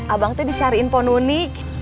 abang teh dicariin pondunik